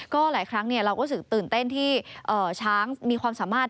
ก็หลายครั้งเราก็รู้สึกตื่นเต้นที่ช้างมีความสามารถ